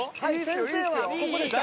［先生はここでした］